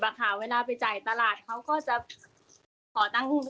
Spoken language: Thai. คุณแม่เค้าชอบเหรียญสีบอะค่ะเวลาไปจ่ายตลาดเค้าก็จะ